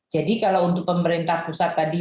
jadi kalau untuk pemerintah pusat tadi